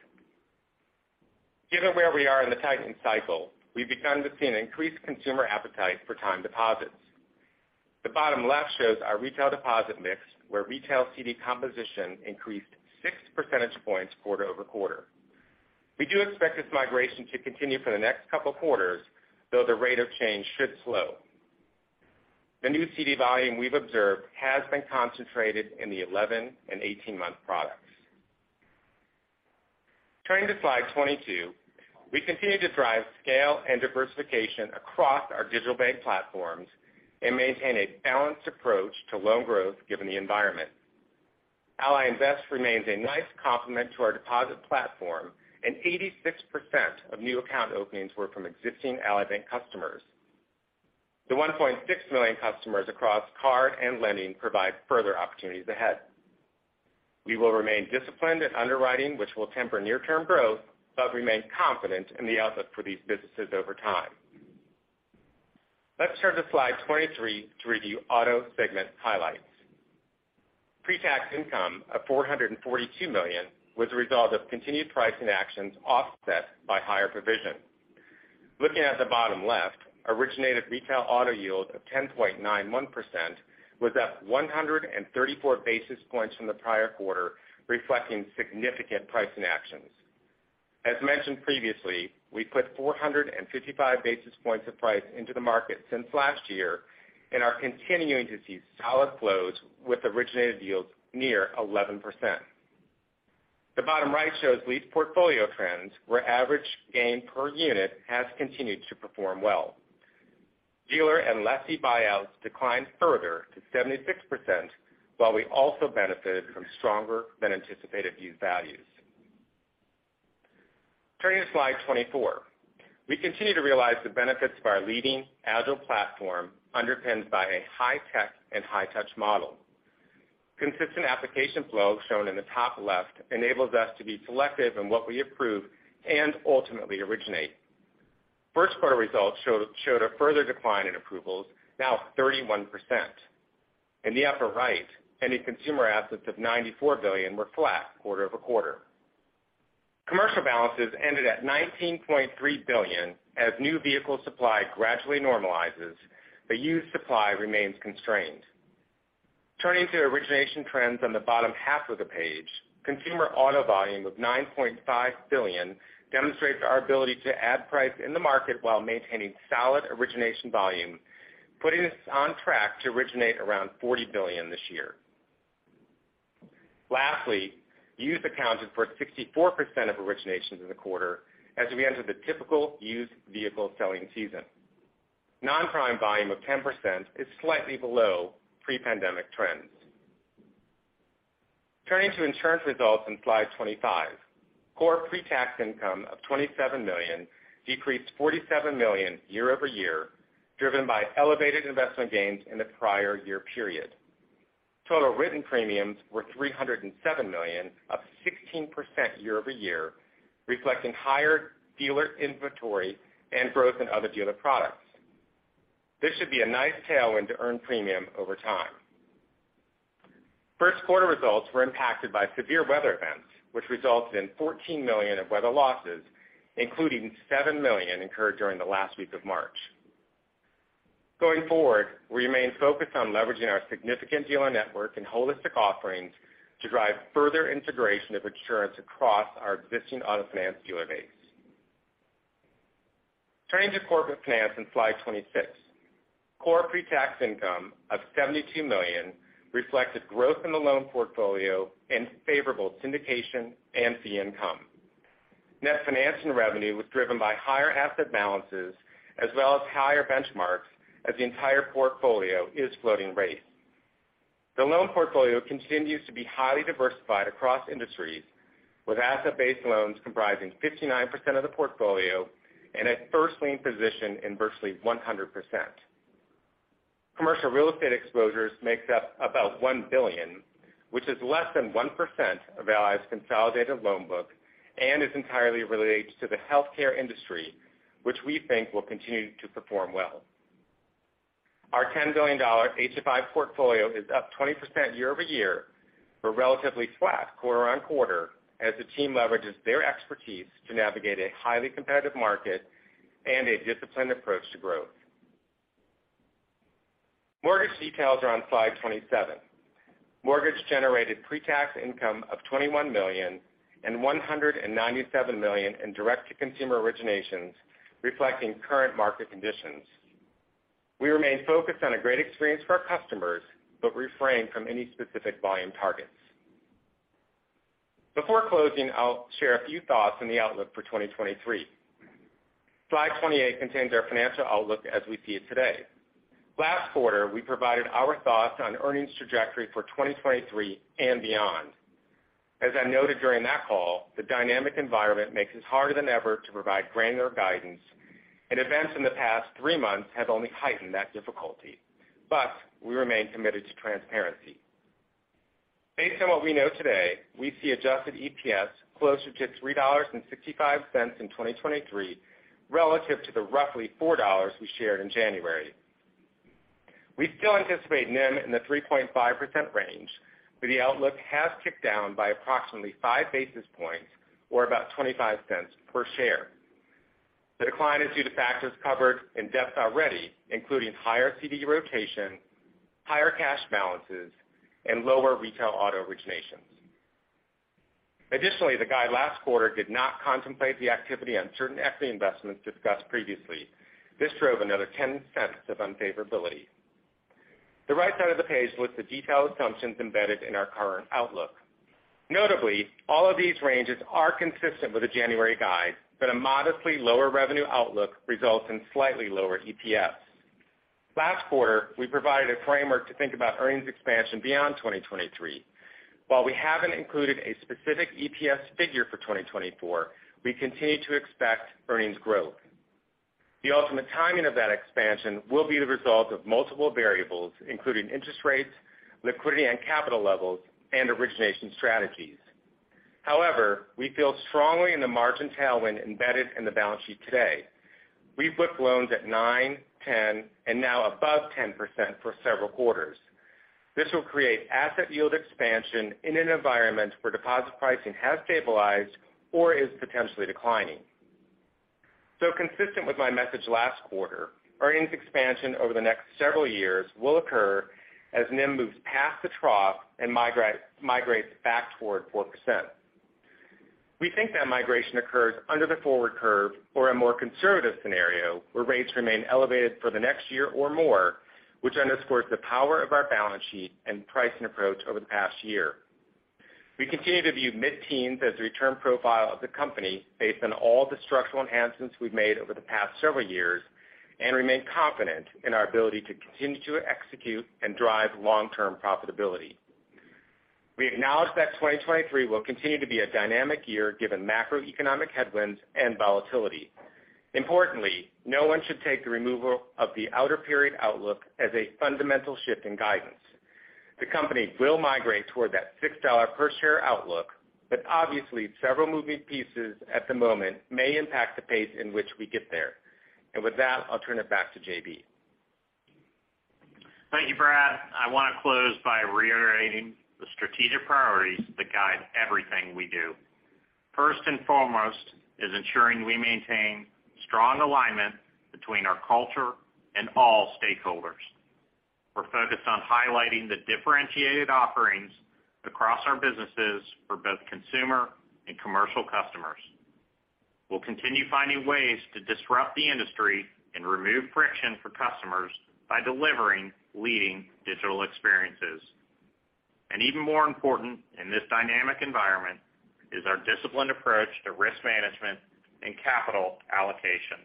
Given where we are in the tightening cycle, we've begun to see an increased consumer appetite for time deposits. The bottom left shows our retail deposit mix, where retail CD composition increased 6 percentage points quarter-over-quarter. We do expect this migration to continue for the next couple of quarters, though the rate of change should slow. The new CD volume we've observed has been concentrated in the 11- and 18-month products. Turning to slide 22, we continue to drive scale and diversification across our digital bank platforms and maintain a balanced approach to loan growth given the environment. Ally Invest remains a nice complement to our deposit platform, and 86% of new account openings were from existing Ally Bank customers. The 1.6 million customers across card and lending provide further opportunities ahead. We will remain disciplined in underwriting, which will temper near-term growth, but remain confident in the outlook for these businesses over time. Let's turn to slide 23 to review auto segment highlights. Pre-tax income of $442 million was a result of continued pricing actions offset by higher provision. Looking at the bottom left, originated retail auto yield of 10.91% was up 134 basis points from the prior quarter, reflecting significant pricing actions. As mentioned previously, we put 455 basis points of price into the market since last year and are continuing to see solid flows with originated yields near 11%. The bottom right shows lease portfolio trends, where average gain per unit has continued to perform well. Dealer and lessee buyouts declined further to 76%, while we also benefited from stronger than anticipated used values. Turning to slide 24. We continue to realize the benefits of our leading agile platform underpinned by a high-tech and high-touch model. Consistent application flow shown in the top left enables us to be selective in what we approve and ultimately originate. First quarter results showed a further decline in approvals, now 31%. In the upper right, ending consumer assets of $94 billion were flat quarter-over-quarter. Commercial balances ended at $19.3 billion as new vehicle supply gradually normalizes, used supply remains constrained. Turning to origination trends on the bottom half of the page, consumer auto volume of $9.5 billion demonstrates our ability to add price in the market while maintaining solid origination volume, putting us on track to originate around $40 billion this year. Lastly, used accounted for 64% of originations in the quarter as we enter the typical used vehicle selling season. Non-prime volume of 10% is slightly below pre-pandemic trends. Turning to insurance results on slide 25. Core pre-tax income of $27 million decreased $47 million year-over-year, driven by elevated investment gains in the prior year period. Total written premiums were $307 million, up 16% year-over-year, reflecting higher dealer inventory and growth in other dealer products. This should be a nice tailwind to earn premium over time. First quarter results were impacted by severe weather events, which resulted in $14 million of weather losses, including $7 million incurred during the last week of March. Going forward, we remain focused on leveraging our significant dealer network and holistic offerings to drive further integration of insurance across our existing auto finance dealer base. Turning to corporate finance on slide 26. Core pre-tax income of $72 million reflected growth in the loan portfolio and favorable syndication and fee income. Net financing revenue was driven by higher asset balances as well as higher benchmarks, as the entire portfolio is floating rate. The loan portfolio continues to be highly diversified across industries, with asset-based loans comprising 59% of the portfolio and a first lien position in virtually 100%. Commercial real estate exposures makes up about $1 billion, which is less than 1% of Ally's consolidated loan book and is entirely related to the healthcare industry, which we think will continue to perform well. Our $10 billion HFI portfolio is up 20% year-over-year, but relatively flat quarter-on-quarter as the team leverages their expertise to navigate a highly competitive market and a disciplined approach to growth. Mortgage details are on slide 27. Mortgage generated pre-tax income of $21 million and $197 million in direct to consumer originations reflecting current market conditions. We remain focused on a great experience for our customers, but refrain from any specific volume targets. Before closing, I'll share a few thoughts on the outlook for 2023. Slide 28 contains our financial outlook as we see it today. Last quarter, we provided our thoughts on earnings trajectory for 2023 and beyond. As I noted during that call, the dynamic environment makes it harder than ever to provide granular guidance, and events in the past three months have only heightened that difficulty. We remain committed to transparency. Based on what we know today, we see adjusted EPS closer to $3.65 in 2023 relative to the roughly $4 we shared in January. We still anticipate NIM in the 3.5% range, but the outlook has ticked down by approximately 5 basis points or about $0.25 per share. The decline is due to factors covered in depth already, including higher CD rotation, higher cash balances, and lower retail auto originations. Additionally, the guide last quarter did not contemplate the activity on certain equity investments discussed previously. This drove another $0.10 of unfavorability. The right side of the page lists the detailed assumptions embedded in our current outlook. Notably, all of these ranges are consistent with the January guide, but a modestly lower revenue outlook results in slightly lower EPS. Last quarter, we provided a framework to think about earnings expansion beyond 2023. While we haven't included a specific EPS figure for 2024, we continue to expect earnings growth. The ultimate timing of that expansion will be the result of multiple variables, including interest rates, liquidity and capital levels, and origination strategies. However, we feel strongly in the margin tailwind embedded in the balance sheet today. We've booked loans at 9%, 10%, and now above 10% for several quarters. This will create asset yield expansion in an environment where deposit pricing has stabilized or is potentially declining. Consistent with my message last quarter, earnings expansion over the next several years will occur as NIM moves past the trough and migrates back toward 4%. We think that migration occurs under the forward curve or a more conservative scenario where rates remain elevated for the next year or more, which underscores the power of our balance sheet and pricing approach over the past year. We continue to view mid-teens as the return profile of the company based on all the structural enhancements we've made over the past several years, and remain confident in our ability to continue to execute and drive long-term profitability. We acknowledge that 2023 will continue to be a dynamic year given macroeconomic headwinds and volatility. Importantly, no one should take the removal of the outer period outlook as a fundamental shift in guidance. The company will migrate toward that $6 per share outlook. Obviously several moving pieces at the moment may impact the pace in which we get there. With that, I'll turn it back to JB. Thank you, Brad. I want to close by reiterating the strategic priorities that guide everything we do. First and foremost is ensuring we maintain strong alignment between our culture and all stakeholders. We're focused on highlighting the differentiated offerings across our businesses for both consumer and commercial customers. We'll continue finding ways to disrupt the industry and remove friction for customers by delivering leading digital experiences. Even more important in this dynamic environment is our disciplined approach to risk management and capital allocation.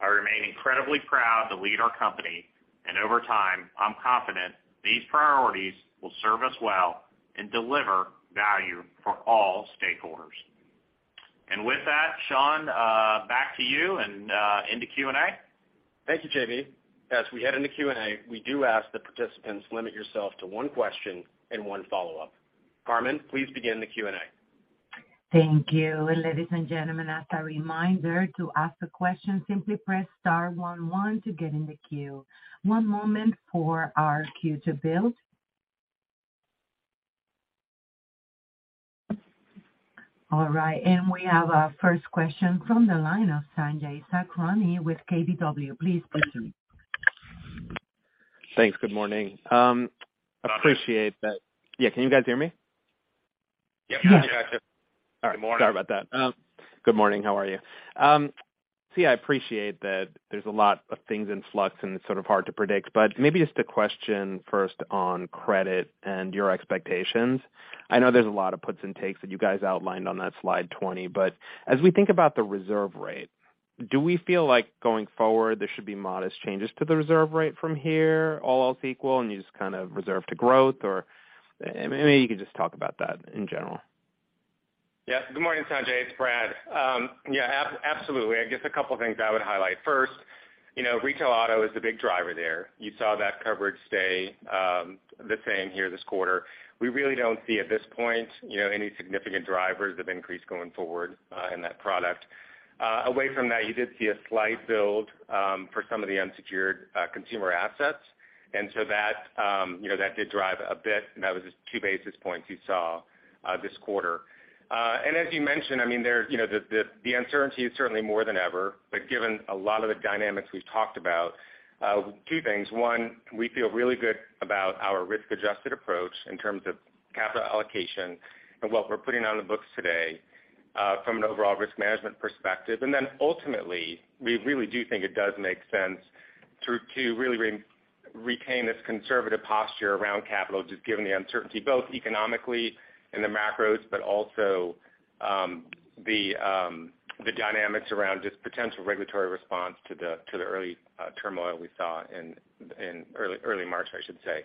I remain incredibly proud to lead our company, and over time, I'm confident these priorities will serve us well and deliver value for all stakeholders. With that, Sean, back to you and into Q&A. Thank you, JB. As we head into Q&A, we do ask the participants limit yourself to one question and one follow-up. Carmen, please begin the Q&A. Thank you. Ladies and gentlemen, as a reminder to ask a question, simply press star one one to get in the queue. One moment for our queue to build. All right. We have our first question from the line of Sanjay Sakhrani with KBW. Please proceed. Thanks. Good morning. Appreciate that. Can you guys hear me? Yes. Yes. All right. Sorry about that. Good morning. How are you? I appreciate that there's a lot of things in flux, and it's sort of hard to predict, maybe just a question first on credit and your expectations. I know there's a lot of puts and takes that you guys outlined on that slide 20, as we think about the reserve rate, do we feel like going forward, there should be modest changes to the reserve rate from here, all else equal, and you just kind of reserve to growth? Maybe you could just talk about that in general. Yeah. Good morning, Sanjay. It's Brad. Yeah, absolutely. I guess a couple of things I would highlight. First, you know, retail auto is the big driver there. You saw that coverage stay the same here this quarter. We really don't see at this point, you know, any significant drivers of increase going forward in that product. Away from that, you did see a slight build for some of the unsecured consumer assets. That, you know, that did drive a bit, and that was just 2 basis points you saw this quarter. As you mentioned, I mean, there, you know, the, the uncertainty is certainly more than ever. But given a lot of the dynamics we've talked about two things. One, we feel really good about our risk-adjusted approach in terms of capital allocation and what we're putting on the books today, from an overall risk management perspective. Ultimately, we really do think it does make sense to really re-retain this conservative posture around capital, just given the uncertainty, both economically in the macros but also, the dynamics around just potential regulatory response to the early turmoil we saw in early March, I should say.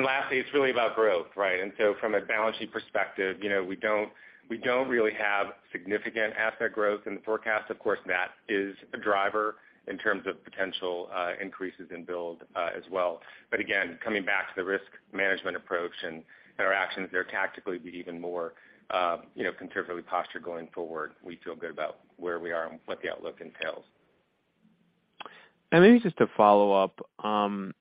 Lastly, it's really about growth, right? From a balance sheet perspective, you know, we don't, we don't really have significant asset growth in the forecast. Of course, that is a driver in terms of potential increases in build as well. Again, coming back to the risk management approach and interactions there tactically be even more, you know, conservatively postured going forward. We feel good about where we are and what the outlook entails. Maybe just to follow up on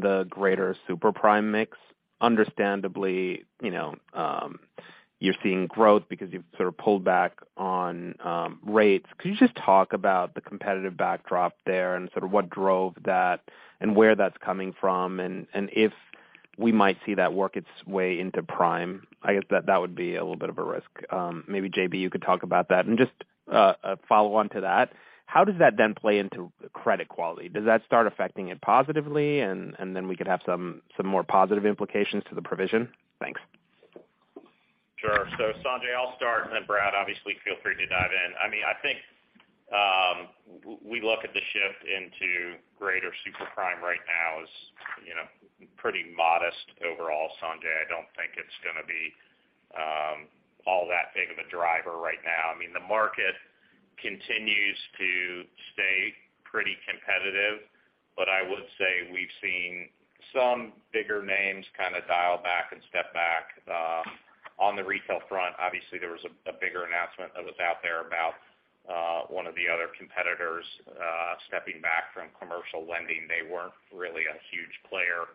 the greater super prime mix. Understandably, you know, you're seeing growth because you've sort of pulled back on rates. Could you just talk about the competitive backdrop there and sort of what drove that and where that's coming from? If we might see that work its way into prime, I guess that would be a little bit of a risk. Maybe JB, you could talk about that. Just a follow-on to that. How does that then play into credit quality? Does that start affecting it positively and then we could have some more positive implications to the provision? Thanks. Sure. Sanjay, I'll start, and then Brad, obviously feel free to dive in. I mean, I think, we look at the shift into greater super prime right now is, you know, pretty modest overall, Sanjay. I don't think it's gonna be all that big of a driver right now. I mean, the market continues to stay pretty competitive. I would say we've seen some bigger names kind of dial back and step back. On the retail front, obviously there was a bigger announcement that was out there about one of the other competitors stepping back from commercial lending. They weren't really a huge player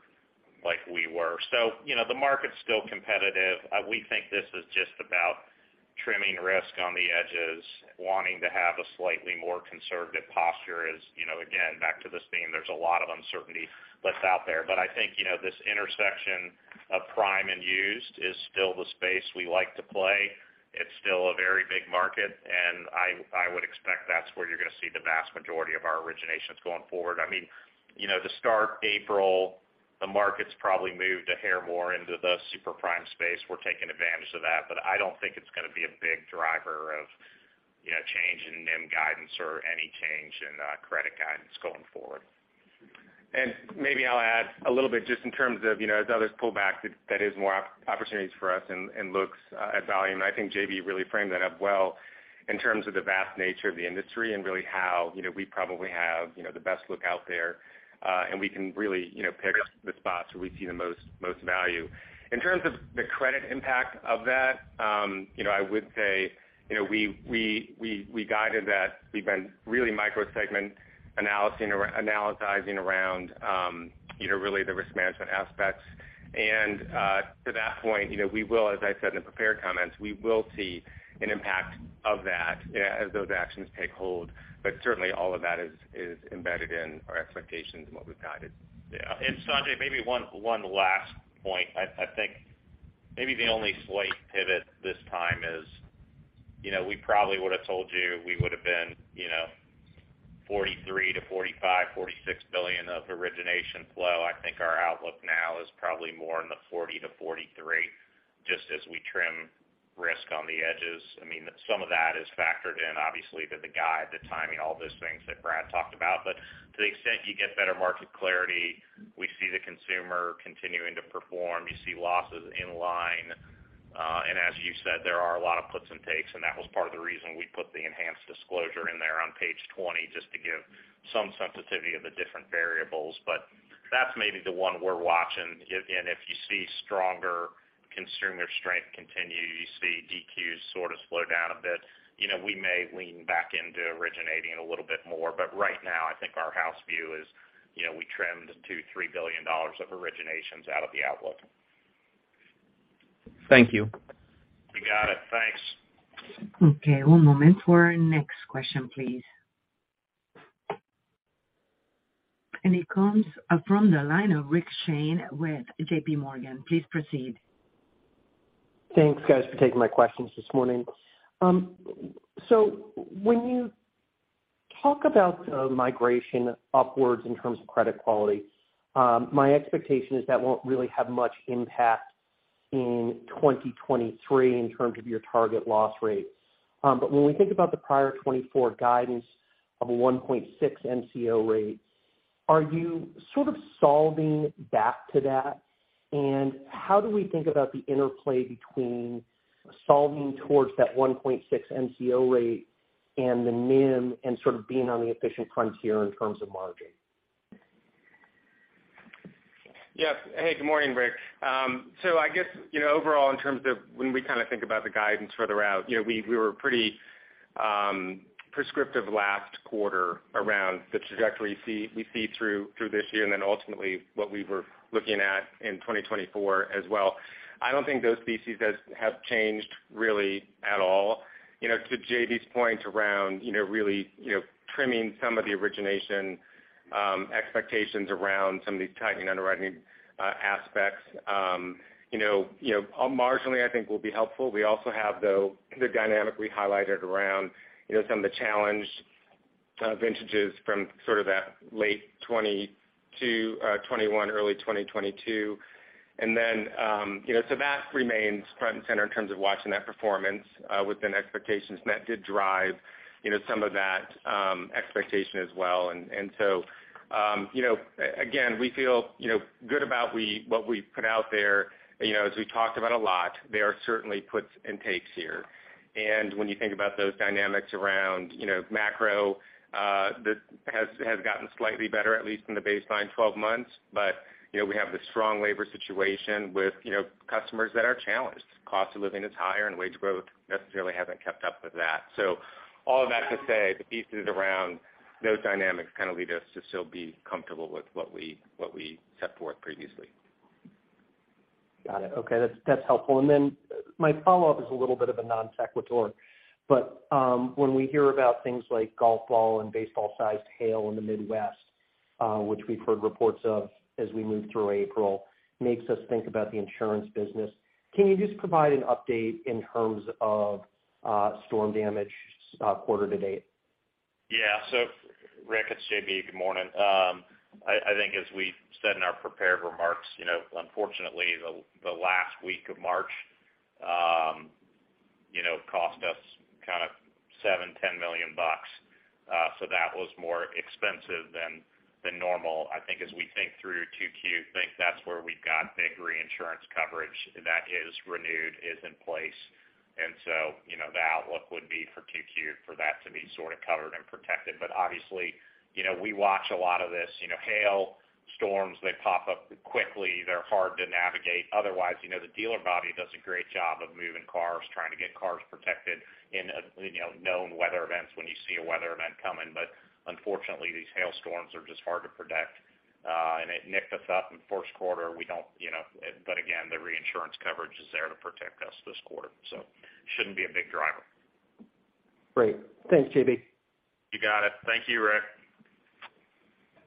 like we were. You know, the market's still competitive. We think this is just about trimming risk on the edges, wanting to have a slightly more conservative posture as, you know, again, back to this theme, there's a lot of uncertainty that's out there. I think, you know, this intersection of prime and used is still the space we like to play. It's still a very big market, and I would expect that's where you're gonna see the vast majority of our originations going forward. I mean, you know, the start April, the market's probably moved a hair more into the super prime space. We're taking advantage of that, but I don't think it's gonna be a big driver of, you know, change in NIM guidance or any change in credit guidance going forward. Maybe I'll add a little bit just in terms of, you know, as others pull back, that is more opportunities for us and looks at volume. I think JB really framed that up well in terms of the vast nature of the industry and really how, you know, we probably have, you know, the best look out there. We can really, you know, pick the spots where we see the most value. In terms of the credit impact of that, you know, I would say, you know, we guided that. We've been really microsegment analysis, analyzing around, you know, really the risk management aspects. To that point, you know, we will, as I said in the prepared comments, we will see an impact of that as those actions take hold. Certainly all of that is embedded in our expectations and what we've guided. Yeah. Sanjay, maybe one last point. I think maybe the only slight pivot this time is, you know, we probably would've told you we would've been, you know, $43 billion-$46 billion of origination flow. I think our outlook now is probably more in the $40 billion-$43 billion, just as we trim risk on the edges. I mean, some of that is factored in, obviously, to the guide, the timing, all those things that Brad talked about. To the extent you get better market clarity, we see the consumer continuing to perform, you see losses in line. And as you said, there are a lot of puts and takes, and that was part of the reason we put the enhanced disclosure in there on page 20, just to give some sensitivity of the different variables. That's maybe the one we're watching. If and if you see stronger consumer strength continue, you see DQs sort of slow down a bit, you know, we may lean back into originating a little bit more. Right now, I think our house view is, you know, we trimmed $2 billion-$3 billion of originations out of the outlook. Thank you. You got it. Thanks. Okay. One moment for our next question, please. It comes from the line of Rick Shane with J.P. Morgan. Please proceed. Thanks, guys, for taking my questions this morning. When you talk about the migration upwards in terms of credit quality, my expectation is that won't really have much impact in 2023 in terms of your target loss rate. When we think about the prior 2024 guidance of 1.6% NCO rate, are you sort of solving back to that? How do we think about the interplay between solving towards that 1.6% NCO rate and the NIM and sort of being on the efficient frontier in terms of margin? Yes. Hey, good morning, Rick. I guess, you know, overall in terms of when we kinda think about the guidance for the route, you know, we were pretty prescriptive last quarter. The trajectory we see through this year and then ultimately what we were looking at in 2024 as well. I don't think those pieces have changed really at all. You know, to JB's point around, you know, really, you know, trimming some of the origination expectations around some of these tightening underwriting aspects, you know, marginally I think will be helpful. We also have though, the dynamic we highlighted around, you know, some of the challenge vintages from sort of that late 2020 to 2021, early 2022. You know, so that remains front and center in terms of watching that performance within expectations. That did drive, you know, some of that expectation as well. You know, again, we feel, you know, good about what we've put out there. You know, as we talked about a lot, there are certainly puts and takes here. When you think about those dynamics around, you know, macro that has gotten slightly better, at least in the baseline 12 months. We have this strong labor situation with, you know, customers that are challenged. Cost of living is higher and wage growth necessarily hasn't kept up with that. All of that to say the pieces around those dynamics kind of lead us to still be comfortable with what we, what we set forth previously. Got it. Okay, that's helpful. My follow-up is a little bit of a non-sequitur, but when we hear about things like golf ball and baseball sized hail in the Midwest, which we've heard reports of as we move through April, makes us think about the insurance business. Can you just provide an update in terms of storm damage quarter to date? Rick, it's JB. Good morning. I think as we said in our prepared remarks, you know, unfortunately, the last week of March, you know, cost us kind of $7 million-$10 million. That was more expensive than normal. I think as we think through Q2, think that's where we've got big reinsurance coverage that is renewed, is in place. You know, the outlook would be for Q2 for that to be sort of covered and protected. Obviously, you know, we watch a lot of this, you know, hail, storms that pop up quickly. They're hard to navigate. Otherwise, you know, the dealer body does a great job of moving cars, trying to get cars protected in a, you know, known weather events when you see a weather event coming. Unfortunately, these hail storms are just hard to predict. It nicked us up in first quarter. We don't, you know. Again, the reinsurance coverage is there to protect us this quarter, so shouldn't be a big driver. Great. Thanks, JB. You got it. Thank you, Rick.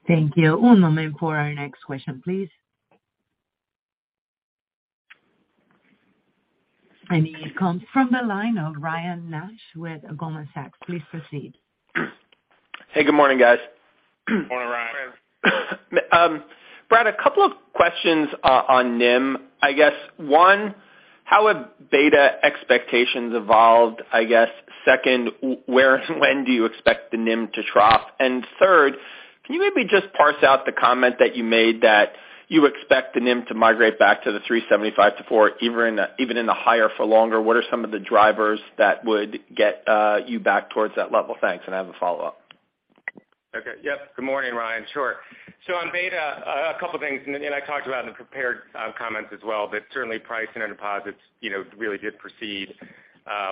Thank you. One moment for our next question, please. It comes from the line of Ryan Nash with Goldman Sachs. Please proceed. Hey, good morning, guys. Morning, Ryan. Morning. Brad, a couple of questions on NIM. I guess one, how have beta expectations evolved? I guess second, where and when do you expect the NIM to trough? Third, can you maybe just parse out the comment that you made that you expect the NIM to migrate back to the 3.75%-4%, even in the higher for longer? What are some of the drivers that would get you back towards that level? Thanks. I have a follow-up. Okay. Yep. Good morning, Ryan. Sure. On beta, a couple things, and I talked about in the prepared comments as well, but certainly price in our deposits, you know, really did proceed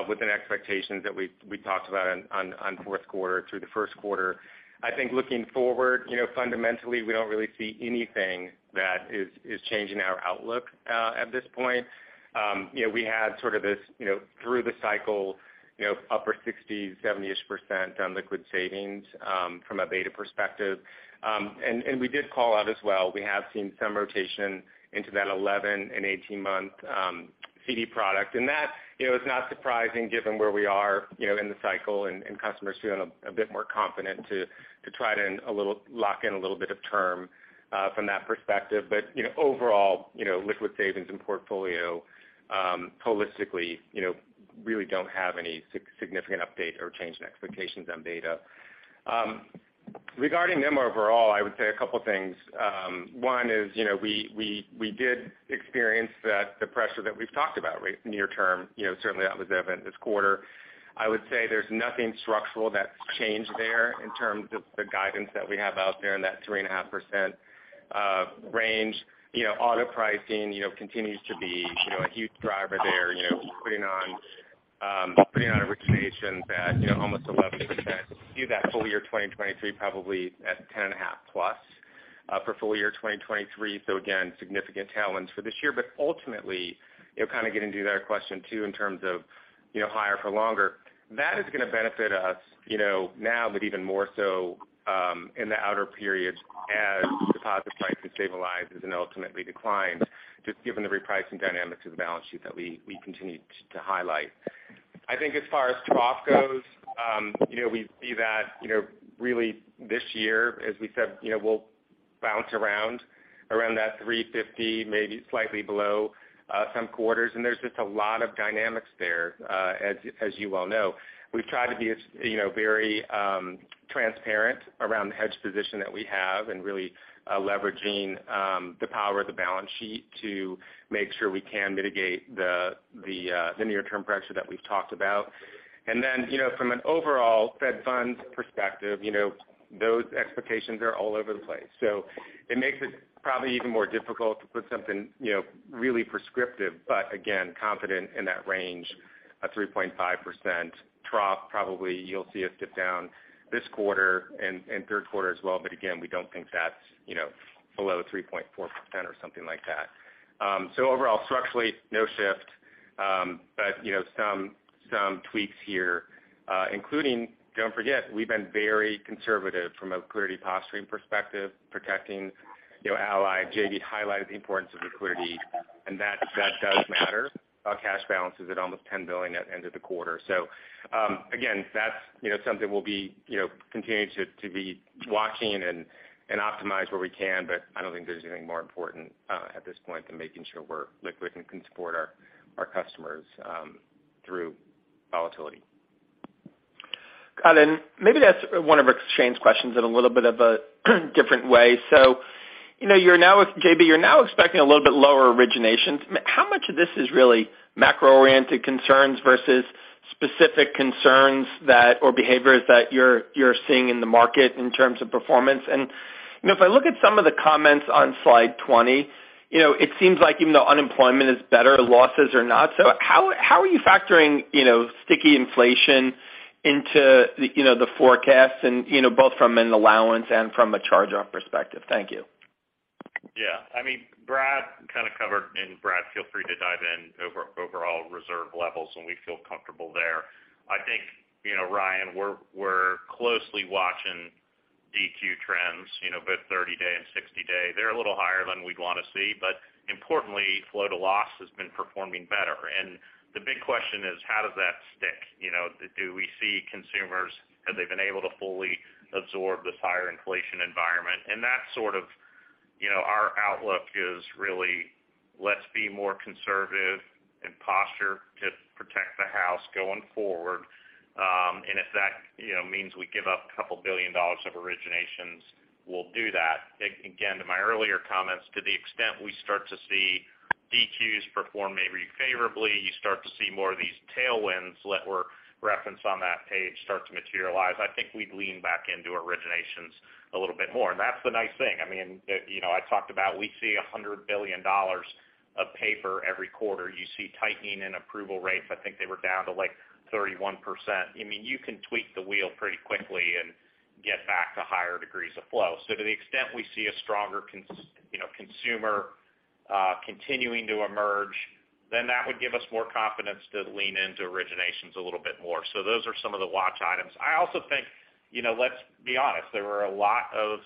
within expectations that we talked about on fourth quarter through the first quarter. I think looking forward, you know, fundamentally, we don't really see anything that is changing our outlook at this point. You know, we had sort of this, you know, through the cycle, you know, upper 60s, 70-ish % on liquid savings from a beta perspective. We did call out as well, we have seen some rotation into that 11- and 18-month CD product. That, you know, is not surprising given where we are, you know, in the cycle and customers feeling a bit more confident to lock in a little bit of term from that perspective. You know, overall, you know, liquid savings and portfolio holistically, you know, really don't have any significant update or change in expectations on beta. Regarding NIM overall, I would say a couple things. One is, you know, we did experience the pressure that we've talked about, right? Near term, you know, certainly that was evident this quarter. I would say there's nothing structural that's changed there in terms of the guidance that we have out there in that 3.5% range. You know, auto pricing, you know, continues to be, you know, a huge driver there, you know, putting on putting on origination that, you know, almost 11%. See that full year 2023 probably at 10.5%+ for full year 2023. Again, significant tailwinds for this year. Ultimately, you know, kind of getting to that question too in terms of, you know, higher for longer, that is gonna benefit us, you know, now but even more so in the outer periods as deposit pricing stabilizes and ultimately declines, just given the repricing dynamics of the balance sheet that we continue to highlight. I think as far as trough goes, you know, we see that, you know, really this year, as we said, you know, we'll bounce around that 3.50%, maybe slightly below some quarters. There's just a lot of dynamics there, as you well know. We've tried to be, you know, very transparent around the hedge position that we have and really leveraging the power of the balance sheet to make sure we can mitigate the near-term pressure that we've talked about. From an overall Fed funds perspective, you know, those expectations are all over the place. It makes it probably even more difficult to put something, you know, really prescriptive. Again, confident in that range, a 3.5% trough. Probably you'll see us dip down this quarter and third quarter as well. Again, we don't think that's, you know, below 3.4% or something like that. Overall structurally, no shift. You know, some tweaks here, including, don't forget, we've been very conservative from a liquidity posturing perspective, protecting, you know, Ally. JB highlighted the importance of liquidity, that does matter. Our cash balance is at almost $10 billion at end of the quarter. Again, that's, you know, something we'll be, you know, continuing to be watching and optimize where we can, but I don't think there's anything more important at this point than making sure we're liquid and can support our customers through volatility. Got it. Maybe that's one of exchange questions in a little bit of a different way. You know, JB, you're now expecting a little bit lower originations. How much of this is really macro-oriented concerns versus specific concerns that or behaviors that you're seeing in the market in terms of performance? You know, if I look at some of the comments on slide 20, you know, it seems like even though unemployment is better, losses are not. How are you factoring, you know, sticky inflation into, you know, the forecast and, you know, both from an allowance and from a charge-off perspective? Thank you. Yeah, I mean, Brad kinda covered, and Brad, feel free to dive in over overall reserve levels, and we feel comfortable there. I think, you know, Ryan, we're closely watching DQ trends, you know, both 30-day and 60-day. They're a little higher than we'd want to see, but importantly, flow-to-loss has been performing better. The big question is how does that stick? You know, do we see consumers, have they been able to fully absorb this higher inflation environment? That sort of, you know, our outlook is really let's be more conservative and posture to protect the house going forward. If that, you know, means we give up $2 billion of originations, we'll do that. Again, to my earlier comments, to the extent we start to see DQs perform maybe favorably, you start to see more of these tailwinds that were referenced on that page start to materialize, I think we'd lean back into originations a little bit more. That's the nice thing. I mean, you know, I talked about we see $100 billion of paper every quarter. You see tightening in approval rates. I think they were down to, like, 31%. I mean, you can tweak the wheel pretty quickly and get back to higher degrees of flow. To the extent we see a stronger, you know, consumer continuing to emerge, that would give us more confidence to lean into originations a little bit more. Those are some of the watch items. I also think, you know, let's be honest, there were a lot of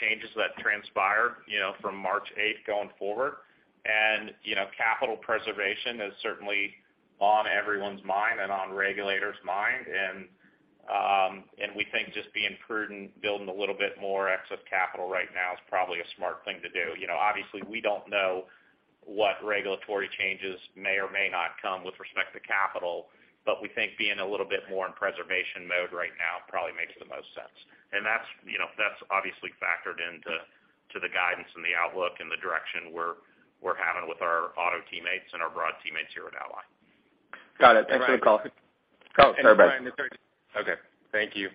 changes that transpired, you know, from 8 March going forward. You know, capital preservation is certainly on everyone's mind and on regulators' mind. We think just being prudent, building a little bit more excess capital right now is probably a smart thing to do. You know, obviously, we don't know what regulatory changes may or may not come with respect to capital, but we think being a little bit more in preservation mode right now probably makes the most sense. That's, you know, that's obviously factored into the guidance and the outlook and the direction we're having with our auto teammates and our broad teammates here at Ally. Got it. Thanks for the call. Okay, thank you.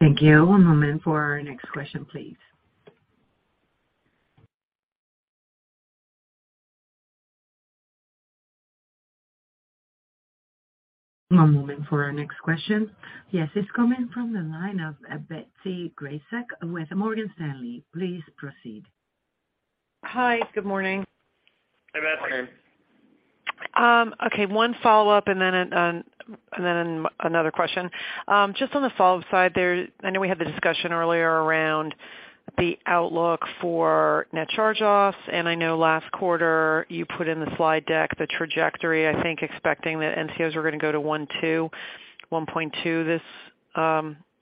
Thank you. One moment for our next question, please. One moment for our next question. Yes, it's coming from the line of Betsy Graseck with Morgan Stanley. Please proceed. Hi. Good morning. Hey, Betsy. Okay, one follow-up and then another question. Just on the solve side there, I know we had the discussion earlier around the outlook for net charge-offs, and I know last quarter you put in the slide deck the trajectory, I think, expecting that NCOs are gonna go to 1.2% this,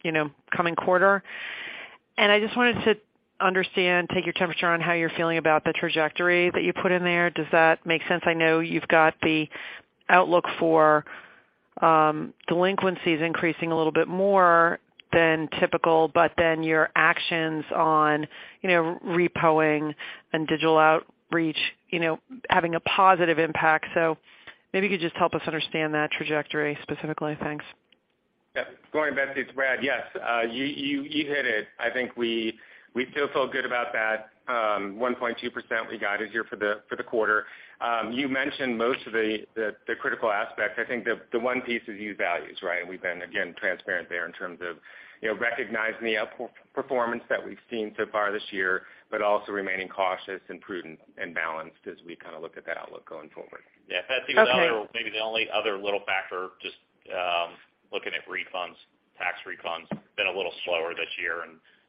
you know, coming quarter. I just wanted to understand, take your temperature on how you're feeling about the trajectory that you put in there. Does that make sense? I know you've got the outlook for delinquencies increasing a little bit more than typical, but then your actions on, you know, repo'ing and digital outreach, you know, having a positive impact. Maybe you could just help us understand that trajectory specifically. Thanks. Yeah. Morning, Betsy, it's Brad. Yes, you hit it. I think we still feel good about that, 1.2% we guided here for the quarter. You mentioned most of the critical aspects. I think the one piece is used values, right? We've been, again, transparent there in terms of, you know, recognizing the up performance that we've seen so far this year, but also remaining cautious and prudent and balanced as we kinda look at that outlook going forward. Yeah. Okay. Maybe the only other little factor, just looking at refunds, tax refunds been a little slower this year.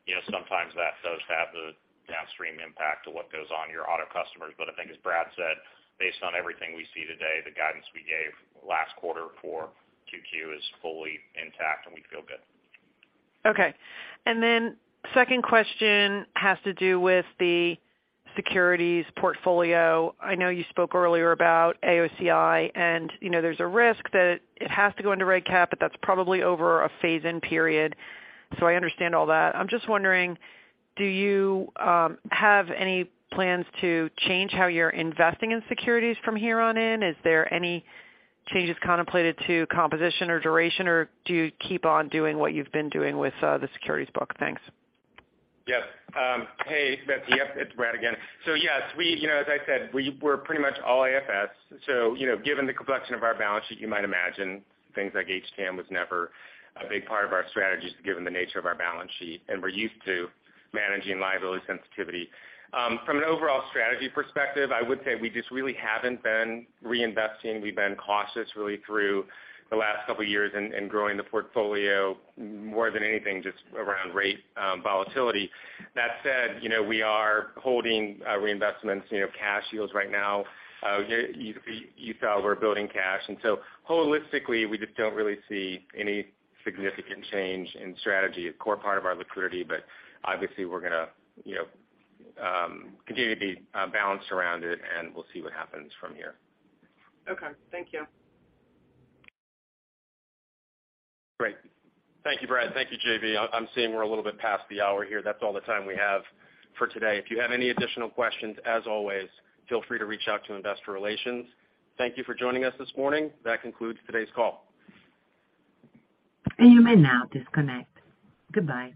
You know, sometimes that does have a downstream impact to what goes on your auto customers. I think as Brad said, based on everything we see today, the guidance we gave last quarter for Q2 is fully intact, and we feel good. Okay. Second question has to do with the securities portfolio. I know you spoke earlier about AOCI, you know there's a risk that it has to go under reg cap, that's probably over a phase-in period. I understand all that. I'm just wondering, do you have any plans to change how you're investing in securities from here on in? Is there any changes contemplated to composition or duration, or do you keep on doing what you've been doing with the securities book? Thanks. Yes. Hey, Betsy. Yep, it's Brad again. Yes, you know, as I said, we're pretty much all AFS. You know, given the complexion of our balance sheet, you might imagine things like HTM was never a big part of our strategies given the nature of our balance sheet, and we're used to managing liability sensitivity. From an overall strategy perspective, I would say we just really haven't been reinvesting. We've been cautious really through the last couple years in growing the portfolio more than anything, just around rate volatility. That said, you know, we are holding reinvestments, you know, cash yields right now. You saw we're building cash. Holistically, we just don't really see any significant change in strategy, a core part of our liquidity. obviously we're gonna, you know, continue to be balanced around it, and we'll see what happens from here. Okay. Thank you. Great. Thank you, Brad. Thank you, JB. I'm seeing we're a little bit past the hour here. That's all the time we have for today. If you have any additional questions, as always, feel free to reach out to investor relations. Thank you for joining us this morning. That concludes today's call. You may now disconnect. Goodbye.